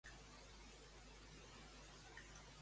Com no vol Puigdemont que sigui el país que ens representi?